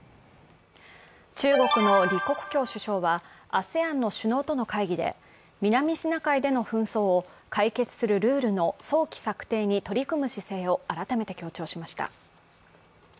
中国の李克強首相はＡＳＥＡＮの首脳との会議で、南シナ海での紛争を解決するルールの早期策定に取り組む姿勢を改めて強調しました。